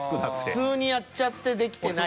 普通にやっちゃってできてない。